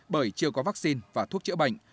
bởi chưa có vaccine và thuốc chữa bệnh